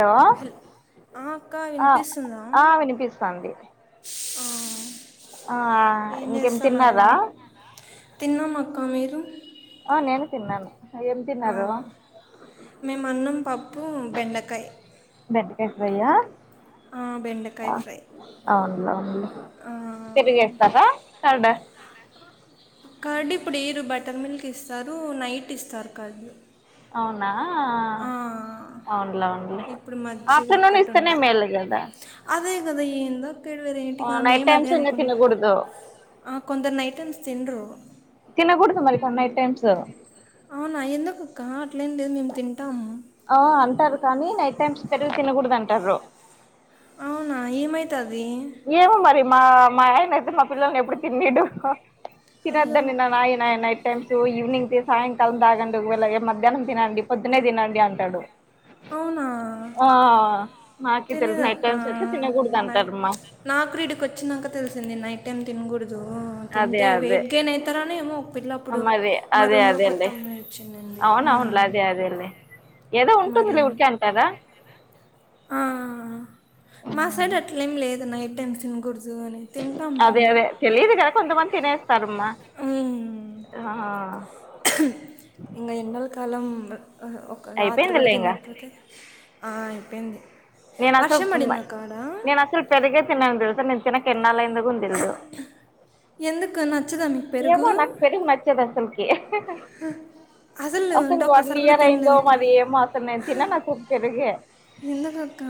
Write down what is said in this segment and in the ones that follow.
Hello ఆ అక్క వినిపిస్తుందా ఆ వినిపిస్తంది ఆ ఏం ఇంకేం చేస్తున్నారు తిన్నారా తిన్నాం అక్క మీరు ఆ నేను తిన్నాను ఏం తిన్నారు మేము అన్నం పప్పు బెండకాయ ఫ్రై ఆ ఆ బెండకాయ ఫ్రై అవునులే ఆ, తోడేస్తారా కర్డ్ కర్డు ఇప్పుడు ఇయ్యరు బటర్ మిల్క్ ఇస్తారు నైట్ ఇస్తారు కర్డు అవునా ఆ అవున్లే ఇప్పుడు మజ్జిగ ఆఫ్టర్నూన్ ఒక్కటి ఇస్తేనే ఉంటుంది మేలు కదా అదే కదా ఇది ఇక్కడ ఆ వేరైటిగా నైట్ మేము అదే టైమ్స్ ఇంగ అనుకున్నం తినకూడదు ఆ కొందరు నైట్ తినరు తినకుడదు మరి నైట్ టైమ్స్ అవునా ఎందుకు అక్క అట్లేం లేదు మేము తింటం ఆ అంటారు కానీ నైట్ టైమ్స్ పెరుగు తినకూడదు అంటారు అవునా ఏమైతది ఏమో మరి మా మా ఆయన అయితే మా పిల్లల కి ఎప్పుడు తిన్పియడు అయ్యో తినద్దని నైట్ టైమ్స్ ఈవినింగ్ సాయంకాలం తాగండి మజ్జిగ మధ్యాహ్నం తినండి పొద్దునే తినండి అంటాడు అవునా ఆ నాకే తెలుసు తెలియదు నైట్ అక్క టైమ్స్ అయితే తినకూడదు నైట్ అంటారమ్మా నాకు ఇడికి వచ్చినాక తెలిసింది నైట్ టైం తినకూడదు అదే తింటే అదే వెయిట్ గెయిన్ అవుతారానే ఏమో ఇట్లా అప్పుడు మరి మా అదే రూమ్ లోకి కొత్త అదేలే అమ్మాయి వచ్చిందండి అవునవునులే మ్మ్ అదే అదేలే ఏదో ఉంటుంది మరి లే ఊరికే అంటారా ఆ మాసైడు అట్లేమి లేదు నైట్ టైం తినకూడదు అని తింటాం అదే మేము అదే తెలీయదు కదా కొంతమంది తినేస్తారమ్మా మ్మ్. ఇంకా ఎండకాలం ఒక రాత్రి కూడా అయిపోయిందిలే ఇంగ తిన్నాము అయిపోయింది నేను అసలు వర్షం పడింది అక్క ఆడ నేను అసలు పెరిగే తినను తెలుసా నేను తినక ఎన్నాళ్లయింది ఎందుకొ నచ్చదమ్మి ఏమో నాకు పెరుగు నచ్చదు అసలికి అంటే అసలు వన్ ఒక్కసారి కూడా ఇయర్ అయిందో తినలేదు ఇప్పుడు మరి ఏమో నేను తినను అసలు పెరుగే ఎందుకు అక్క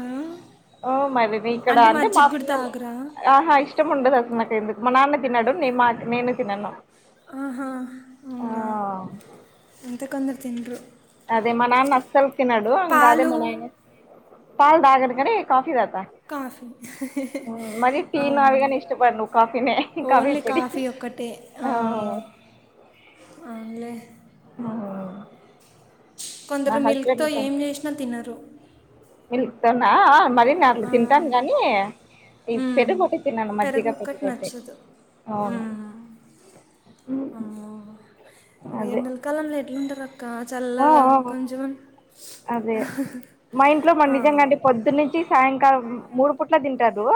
ఓ మరి నికడ అంటే మా పిల్లలు తాగరా ఆహా ఇష్టం ఉండదు అసలు నాకు ఎందుకో మా నాన్న తినడు నీ మాట్ నేను తినను ఆహా ఆ అవునా అంతంతకుందరు తిండ్రు అదే మా నాన్న అసలు తిన్నాడు హ అదే పాలు మన పాల్ తాగడుగాని కాఫీ తాగుతాడు కాఫీ మరి టీ నావిగాని ఇష్టపడను కాఫీనే కాఫీ పొడి ఒక్కటే ఆ అవునులే ఆ హు కొందరు మిల్క్ తో ఏం చేసినా తినరు ఇంతనా ఆ ఆ మరీ ఆ, తింటాను గానీ ఈ మ్మ్. పెరుగు ఒకటే తినను మజ్జిగ ఒక్కటి పెరుగు ఒక్కటే నచ్చదు అవును మ్మ్. అదే ఎండాకాలంలో ఎట్లుంటది అక్క ఆ ఆ చల్లగా ఆ కొంచెం అదే మా ఇంట్లో మన ఆ, నిజంగా అంటే పొద్దు నుంచి సాయంకాలం మూడు పుట్ల తింటారు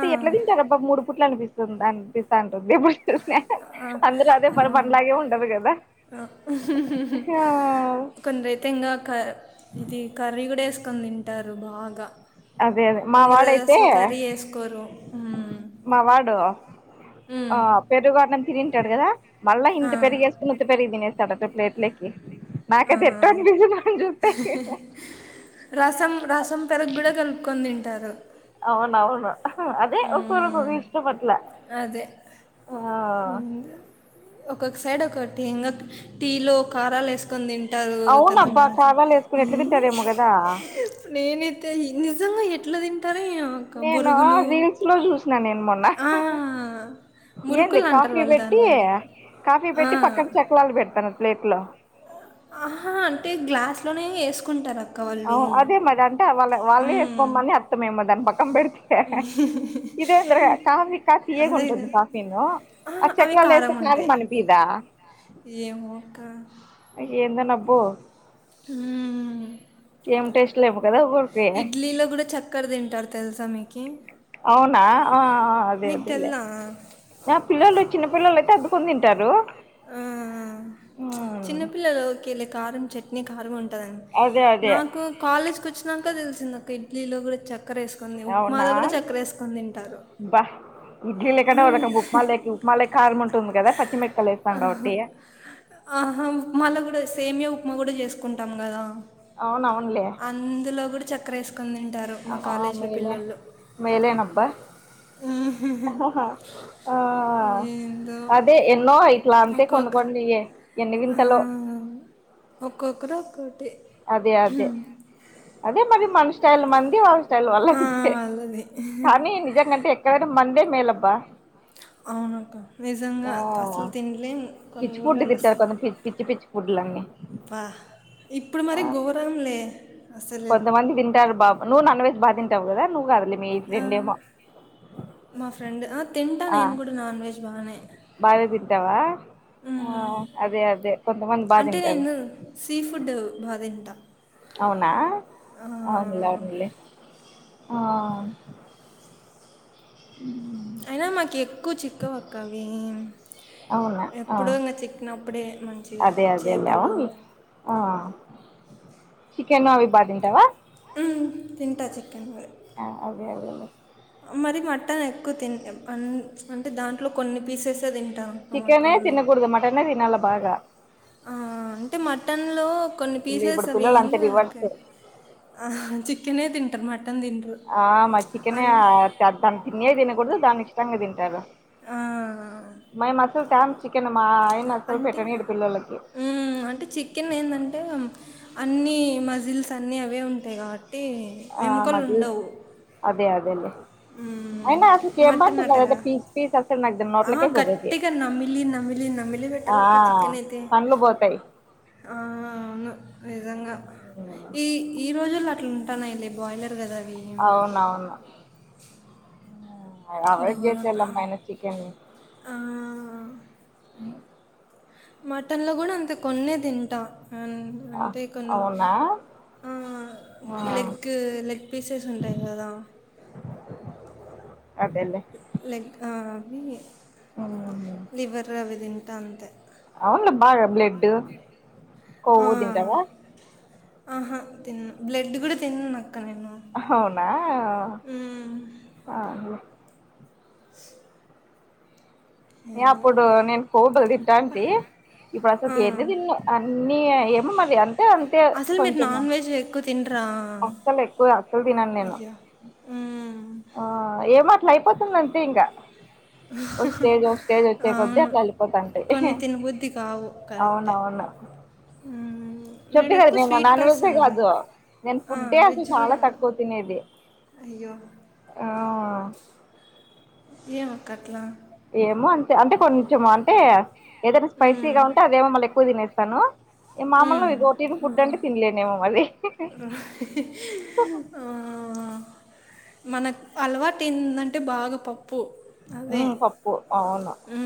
ఆ, ఎట్లా తింటారు అబ్బా మూడు పుట్లు అనిపిస్తుంది అనిపిస్తా కొద్ది ఎప్పుడు చూస్త ఆ, అందరు అదే ఆ. పని పనిలాగే ఉండదు కదా ఆ కొందరైతే ఇంకా క ఇది కర్రీ కూడా వేసుకొని తింటారు బాగా అదే అదే మా కొందర ఆసలు కర్రీ వాడైతే వేసుకోరు మా వాడు ఆ మ్మ్. పెరుగన్నం తిని ఉంటాడు కదా మళ్ళా ఆ ఇంత పెరిగేసుకున్నంత పెరుగు తినేస్తాడట ప్లేట్లక్కి నాకు ఆ అది ఎట్టు నిజంగా రసం రసం పెరుగు కూడా కలుపుకుందండి అవున అవును అదే ఒక్కరుకు మ్మ్. ఇష్టపట్లే అదే ఒక్కొక్కసారి సైడ్ ఒకటి ఇంకా టీలో కారాలు వేసుకని తీటదు అవునబ్బా తెలంగాణ కారాలు వేసుకుని ఎట్లా సైడ్ తింటారేమో కదా నేనైతే నిజంగా ఎట్లా తిన్ నేను రీల్స్ లో చూసినా నేను మొన్న ఆ ఏంది మురుకులు అంటారు కాఫీ వాళ్ళు పెట్టి దానిలోనే కాఫీ ఆ, పెట్టి పక్కన చక్రాలు పెడతారంట ప్లేట్లో ఆహా అంటే గ్లాస్లోనే వేసుకుంటారు అక్క అదే వాళ్ళు మద అంటే వాళ్ళ వాళ్ళే హ్మ్. వేసుకోమని అర్థం ఏమో దాని పక్కన పెడితే ఇదే ఎందోరాయ కాఫీ కాస్త తియ్యగా అదే ఉంటుంది కదా. కాఫీను ఆ చక్రాలు వేస్తే కారం అనిపియ్యదా ఏయో అక్క అబ్బో ఉ హు టేస్ట్ లేము కదా ఊరికి ఇడ్లీలో కూడా చక్కర తింటారు తెలుసా మీక్ అవునా ఆ అదే మీకు అదేలే తెల్దా? ఆ పిల్లలు చిన్న పిల్లలు అయితే అద్కొని తింటారు ఆ ఉమ్ చిన్నపిల్లలుకి వెళ్ళి కారం చట్నీ కారం ఉంటుందిండి అదే అదే నాకు కాలేజ్ కి వచ్చినంక తెలిసింది నాకు ఇడ్లీలో కూడా చక్కర వేసుకొని అవునా ఉప్మాలో కూడా చక్కర వేసుకని తింటారు బా ఇడ్లీ లేకుండా ఒక రకం ఆ! ఉప్మా లే ఉప్మాల కారం ఉంటుంది కదా పచ్చిమిట్ ఆహా ఆహా ఉ మళ్ళా కూడా సేమ్య ఉప్మా కూడా చేసుకుంటాం కదా అవునవునులే అందులో కూడా చక్కర వేస్ ఆ మేలే మేలేనబ్బా ఉహుహు. ఆ ఏందో అదే ఎన్న ఇట్లా అంత కొన్ని ఒక్కొక్క కొడినియ ఆ ఒక్కొక్కరు ఒక్కోటి అదే అదే అదే మరి మన స్టైల్ మంది వాళ్ళ ల్ వల్ల స్టైల్ ఆ, వాళ్లదే వాళ్ళది కానీ నిజంగాంటే ఎక్కడైనా మండే మేలబ్బా అవునక్క నిజంగా ఆ అసలు తినలేము కొన్ని పిచ్చి ఫుడ్ ఊర్లలో తింటారు సా కొంత పిచ్చి పిచ్చి ఫుడ్లన్నీ బా ఇప్పుడు మరి గోరం లే ప కొంత మంది తింటారు బాబ్ నువ్ నాన్ వెజ్ బాగా తింటావ్ కదా నువ్ మా ఫ్రెండ్ తింటా నేను కూడా నాన్ వెజ్ బాగానే బానే తింటావా ఆ మ్మ్. అదే అదే కొంతమంది బా అంటే తింటారు నేను సీ ఫుడ్ బాగా తింటా అవునా ఆ, అవునవునలే ఆ అయినా మాకు ఎక్కువ చిక్కవు అక్క అవి అవునా ఆ ఎప్పుడో ఇంకా చిక్కినప్పుడే మంచిగా అదే అదేలే చేపలు అవునులే ఆ చికెన్ అవి బాటింటావా ఉమ్ తింటా చికెన్ ఆ అదే అదేలే మరి మటన్ ఎక్కువ తిన్ అ అంటే దాంట్లో కొన్ని పీసెసే తింట చికెనే తిన్నకూడదు మటనే తిన్నాల బాగా ఆ అంటే మటన్లో కొన్ని పిల్ల పీసెస్ ఇప్పుడు పిల్లలు అంత అవియంది నాకు రివర్స్ ఆ చికెనే తింటరు మట్ ఆ మ చికనే దాని తిన తినకూడదు దాన్ని ఇష్టంగా తింటారు ఆ! మ మాసలు తాం చికెన్ మా ఆయన అసలు అంటే పెట్టనీడు పిల్లలకి అంటే చికెన్ ఏంటంటే అన్ని మజిల్స్ అన్ని అవే ఉంటాయి కాబట్టి ఆ ఎముకలు ఉండవు హ్మ్. అనా అసలు మటన్ కేంబంటద అటగా పీస్ పీస్ అసలు నాకు ఆ నోట్లకే పోతది గట్టిగా నమ్మిలి నమ్మిలి నమ్మిలి ఆ పెట్టాలక్క చికెన్ అయితే పండ్లు పోతాయి ఆ అవును నిజంగా ఈ ఈ రోజు ల్లో అట్లా ఉంటానా ఇ బాయిలర్ కదా అవి అవునవును అవయిడ్ ఘోరంగా చేసేళ్ళమ్మాయిన చికెన్ని ని ఆ అహ మటన్లో కూడా అంతే కొన్నీ తింటా ఆ అవునా ఉమ్ ఆ లెగ్ లెగ్ పీసెస్ ఉంటాయి కదా అదేలే లెగ్ అవి ఉమ్. లివర్ అవి తింటా అంతే అవును బాగా బ్లడ్ ఆ! కొవ్వు తింటావా ఆహా తిను బ్లడ్ కూడా తిన్న నాకు అవునా హ్మ్. అ సు అప్పుడు నేను కోబలు తింటాంటే ఇప్పుడు ఆ! అసలుకి ఎన్ని తిన్నను అన్ని ఏమో మరి అంటే అంతే అసలు మీరు కొంచెము నాన్ వెజ్ ఎక్కువ తినరా అస్సలు ఎక్కువ అస్సలు తినను నేను ఉమ్ ఆ ఏమో అట్లా అయిపోతుందింతే ఇంకా ఓ హహ స్టేజ్ ఒక స్టేజ్ వచ్చే కొద్దీ అవును అట్లా వెళ్ళిపోతాంటాయి కొన్ని తినబుద్ది కావు కరెక్టే ఆ చెప్దు కదా నేను నాన్వజ్ ఏ కాదు నేను ఆ, ఫుడ్ ఏ అసలు వెజ్ చాలా కూడా తక్కువ తినేది అయ్యో ఆ ఏమక్కట్లా ఏమో అంతే అంటే కొంచము అంటే ఏదైనా మ్మ్. స్పైసీగా ఉంటే అదేమో మళ్ళీ ఎక్కువ తినేస్తాను ఏ మామలు మ్మ్. రోటీని ఫుడ్ ఆహా. అంటే తినలేనేేమో అది ఆ మనకు అలవాటు ఏందంటే బాగా పప్ ప్పు అదే ఉమ్ పప్పు అవును ఊ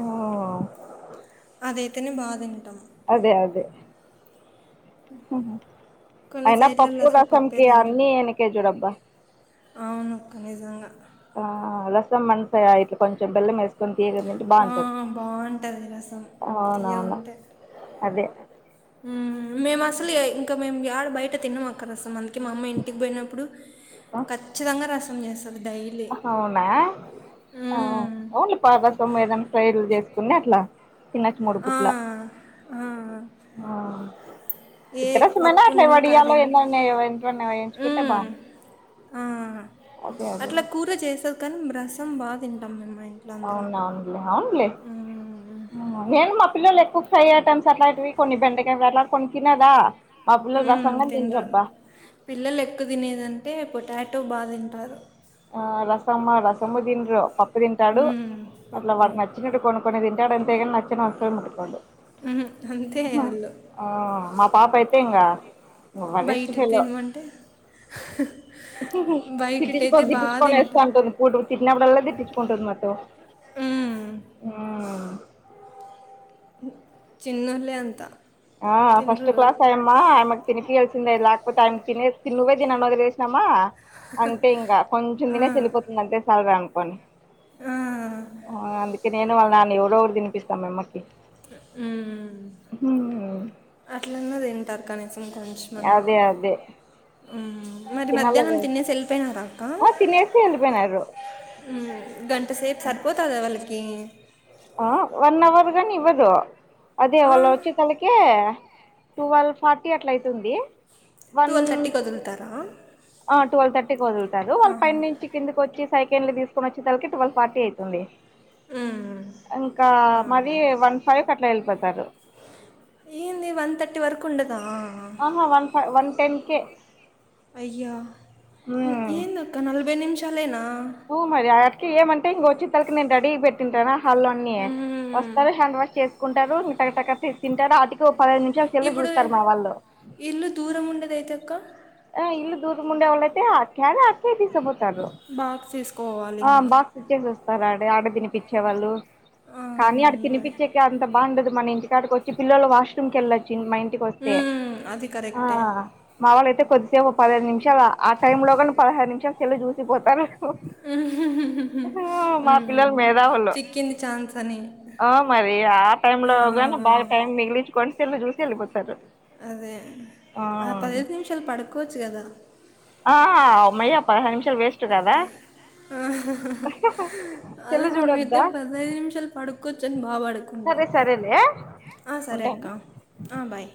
ఆ అదయితేనే బా తింటాం అదే అదే కొన్ని అయినా సైడ్లలో పప్పు అసలు పప్పే రసంకి తినరు అన్ని వెనకే చూడబ్బా అవును నిజంగా ఆ రసం మనసయ ఇట్ల కొంచెం బెల్లం వేసుకొని తీగ తింటే ఆ! బాగుంటది బావుంటది రసం అవునవును అదే ఊ మేము అసలు ఇంకా మేము ఏడ బయట తినము అక్క రస మది కె మా అమ్మ ఇంటికి పోయినప్పుడు ఖచ్చితంగా రసం చేస్తది డైలీ. అవునా ఆ హ్మ్. ఓ నీ పాత సొమ్ము ఏదయినా ఫ్రైడులు చేసి వున్నట్లా తినచ్చు మూడు ఆ! పుట్ల ఆ! ఆ ఏ ఉతరసమైనా అట్లా పప్పున్నా, కర్రీ వడియాలో ఉన్నా ఏమన్న ఏవైన వేయించుకుంటే హ్మ్. బాగు అదే అదే ట్ గా చేసావ్ కానీ బ్రసం బా తింటాం మేం మా ఇం అవునవునులే అవునులే హ్మ్. నేను మా పిల్లలు ఎక్కువ్ ఫై ఐటమ్స్ అట్లా ఇవి కొన్ని బెండకావి అలా కొన్ని తినదా మా ఊ పిల్లలు రసం గాని తినరు తినరబ్బా పిల్లలు ఎక్కువ తినేదంటే పొటాటో బాగా తింటారు ఆ రసమ్మ రసమ్మ దిన్రు పప్పు తింటాడు మ్మ్. అట్లా పప్పు వాడు నచ్చినట్టు కొనుకునేది టాడు అంతే గాని నచ్చని వస్తువు ముట్టుకోడు మ్మ్. అంతే అహ వాళ్ళు ఆ పాప అయితే ఇంగా వరెస్ట్ బయట ఫెలో తినమంటే కొ బయటైతే బాగా దిటిచుకొని ఏస్త తింటా అంటుంది పూడు తిట్నప్పుడల్ దిట్టిచ్చుకుంటుంది మతో మ్మ్. ఆ చిన్నోళ్ళే అంత ఆ ఫస్ట్ తినరు వాళ్ళు క్లాస్ అయ్యమ్మా ఆమెకి తిపియాల్సిందే లేకపోతే ఆమెకి తినేసి నువ్వే తిని నను ఒదిలేసినమ్మా అంటే ఇంకా కొంచెం తినేసి వెలిపోతుంది అంతె సలరా అనుకోని ఆ. ఆ అందుకే నేను వాళ్ళ నాన్ను ఎవరో ఒకరు తినిపిస్తాం మమ్మకి ఊ అట్లన్న తింటరు కనీసం అదే అదే ఊ మరి తినాల మధ్యాహ్నం కదా తినేసి ఏళ్పయినారా ఆ తినేసి ఎల్లిపోయ్నారు మ్మ్. గంట సేపు సరిపోతద వాళ్ళకి ఆ వన్ అవర్గాని ఇవ్వదు అదే వాళ్ళ వచ్చె తలకి టువల్వ్ ఫార్టీ అట్ల అయితుంది వన్ టువెల్ థర్టీకి వదులుతారా ఆ ట్వెల్వ్ థర్టీకి వదులుతారు వాళ్ పై ఆహా. నుంచి కిందకి వచ్చి సైకండ్ లు తీసుకుని వచ్చే తలకి ట్వల్ ఫార్టీ ఐతుంది ఊ ఇంకా మరి వన్ ఫైవ్ అట్లా వెళ్ళిపోతారు ఏంది వన్ థర్టీ వరకు ఉండదా ఆహా one five one ten K అయ్యా ఏందక్క నలభై నిమిషాలేనా ఊ మరి అట్ కి ఏమంటే ఇం వచ్చి తలకి నేను బెడి ఉంటానా హాల్లో అన్ని మ్మ్. వస్తారు హ్యాండ్ వాష్ చేసుకుంటారు ఇంకా టక్ టక్ ఆ తి తింటారు అతికి పదహేదు నిమిషాలకి వెళ్ళి ఇప్పుడు చూస్తారు మా వాళ్ళు ఇల్లు దూరం ఉండదు అయితే అక్క ఆ ఇల్లు దూర ముండే వల్లైతే [unintelligible] తీ సబ [unintelligible] ఆ ఇంకా బాక్స్ ఇచ్చేసి వస్తారు ఆడ ఆడ తినిపచ్చేవాళ్ళు ఆ, కానీ ఆడ అంతే. తినిపించేకి అంత బాగుండదు మన ఇంటికాటకి వచ్చి పిల్లలు వాష్రూమ్కి కెళ్ళొచ్ మా ఇంటికి వస్తే మ్మ్, అది కరెక్టే మా వాళ్ళు అయితే కొద్దిసేపు ఒక పదిహేను నిమిషాలు ఆ టైమ్ లోగా పదహారు నిమిషాలకెళ్లి చూసిపోతాను అహ మా పిల్లలు మేధావులు చిక్కింది ఛాన్స్ అని టై ఆ, లో గాని బాగ టైం మిగిలిచుకోని సెల్ చూసి వెళ్ళిపోతారు అదే ఆ పదహైదు నిమిషాలు పడుకోవచ్చు కదా ఆ అ మయ్యా పదిహై నిమిషాలు వేస్ట్ కదా ఆ అదే సెల్లు మనమయితే చూడొద్దా పదహైదు నిమిషాలు పడుకోచోనీ బాగా పడుకుంటాం సరే సరేలే ఆ సరే ఉంటాను అక్కా ఆ బాయ్